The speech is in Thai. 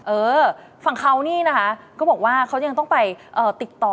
เออฝั่งเขานี่นะคะก็บอกว่าเขายังต้องไปติดต่อ